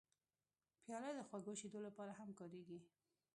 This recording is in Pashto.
پیاله د خوږو شیدو لپاره هم کارېږي.